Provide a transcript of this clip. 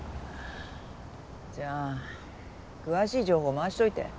じゃあ詳しい情報回しといて。